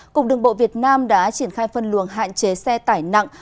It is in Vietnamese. cục đường bộ việt nam đã triển khai phân luồng hạn chế xe tải nặng